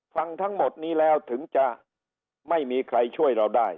ฟังทั้งหมดนี้แล้วถึงจะไม่มีใครช่วยเราได้